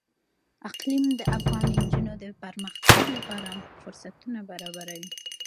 اقلیم د افغان نجونو د پرمختګ لپاره فرصتونه برابروي.